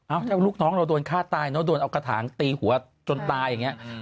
ถ้าลูกน้องเราโดนฆ่าตายเนอะโดนเอากระถางตีหัวจนตายอย่างนี้